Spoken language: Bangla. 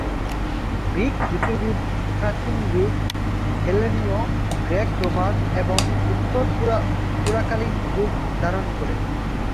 গ্রিক জ্যোতির্বিদ্যা প্রাচীন গ্রীক, হেলেনীয়, গ্রেকো-রোমান এবং উত্তর-পুরাকালীন যুগ ধারণ করে।